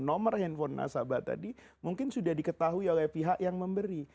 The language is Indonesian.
nomor handphone nasabah tadi mungkin sudah diketahui oleh pihak yang memberi